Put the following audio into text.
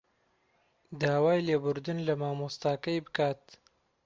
داوای لێبوردن لە مامۆستاکەی بکات